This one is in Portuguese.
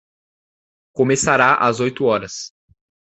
Começará às oito horas.